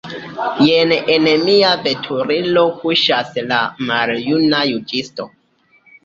Jen en mia veturilo kuŝas la maljuna juĝisto.